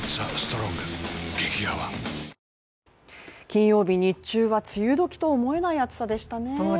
金曜日、日中は梅雨時と思えない暑さでしたね。